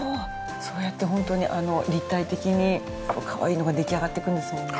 そうやってホントに立体的にかわいいのが出来上がっていくんですもんね。